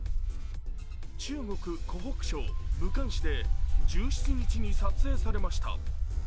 中国湖北省武漢市で１７日に撮影されました。